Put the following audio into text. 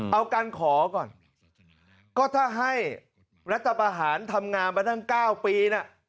เอาการขอก่อนก็ถ้าให้รัฐประหารทำงานมาตั้ง๙ปีน่ะ